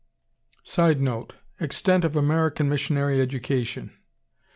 '" [Sidenote: Extent of American missionary education.